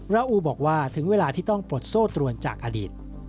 อูบอกว่าถึงเวลาที่ต้องปลดโซ่ตรวนจากอดีต